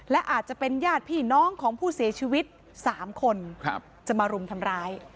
และอาจจะเป็นญาติพี่น้องของผู้เสียชีวิต๓คนจะมารุมทำร้าย